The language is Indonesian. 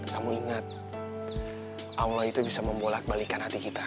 kamu ingat allah itu bisa membolak balikan hati kita